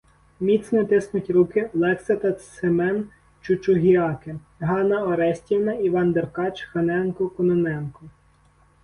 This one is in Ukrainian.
Міцно тиснуть руки Олекса та Семен Чучугіаки, Ганна Орестівна, Іван Деркач, Ханенко, Кононенко.